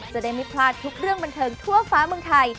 จะได้ไม่พลาดทุกเรื่องบันเทิงทั่วฟ้าเมืองไทย